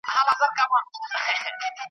پۀ هغه کې یې یؤ بیت لیکلی ؤ، چې؛